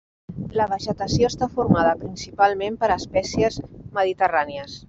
La vegetació està formada principalment per espècies mediterrànies.